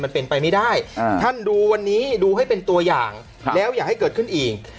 มันเป็นไปไม่ได้ท่านดูวันนี้ดูให้เป็นตัวอย่างแล้วอย่าให้เกิดขึ้นอีก